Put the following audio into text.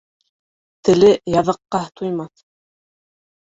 Теле яҙыҡҡа туймаҫ